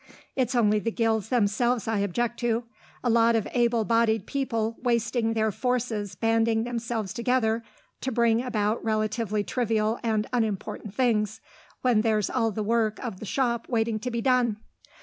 It's only the guilds themselves I object to a lot of able bodied people wasting their forces banding themselves together to bring about relatively trivial and unimportant things, when there's all the work of the shop waiting to be done.